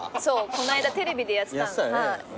この間テレビでやってたの。